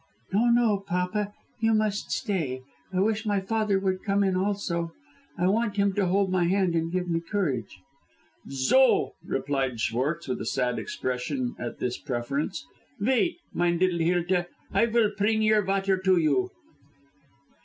"No, no, papa, you must stay. I wish my father would come in also. I want him to hold my hand and give me courage." "Zo!" replied Schwartz, with a sad expression at this preference. "Vait, mine liddle Hilda, I vill pring your vater to you."